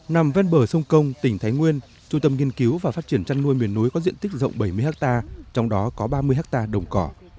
nằm ven bờ sông công tỉnh thái nguyên trung tâm nghiên cứu và phát triển chăn nuôi miền núi có diện tích rộng bảy mươi hectare trong đó có ba mươi hectare đồng cỏ